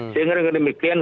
sehingga dengan demikian